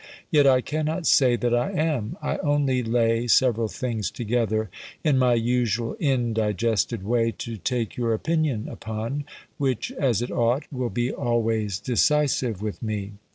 Yet I cannot say that I am; I only lay several things together in my usual indigested way, to take your opinion upon, which, as it ought, will be always decisive with me.